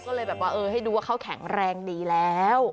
ก็เลยแบบว่าเออให้ดูว่าเขาแข็งแรงดีแล้ว